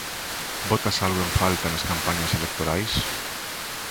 Botas algo en falta nas campañas electorais?